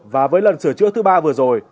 và với lần sửa chữa thứ ba vừa rồi